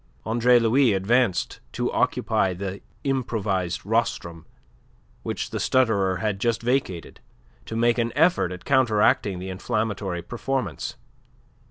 Andre Louis advanced to occupy the improvised rostrum, which the stutterer had just vacated, to make an effort at counteracting that inflammatory performance.